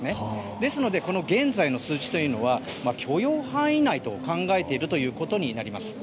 ですので、現在の数字は許容範囲内と考えているということになります。